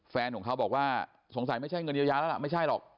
แฟนของเขาบอกว่าสงสัยไม่ใช่เงินเยียวยาแล้วล่ะไม่ใช่หรอก